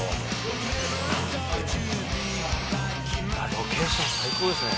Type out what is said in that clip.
「ロケーション最高ですね」